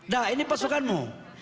nah ini pasukanmu